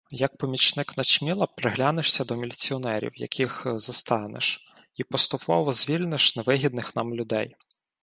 Як помічник начміла приглянешся до міліціонерів, яких застанеш, і поступово звільниш невигідних нам людей.